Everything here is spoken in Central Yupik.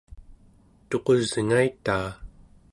tuqusngaitaa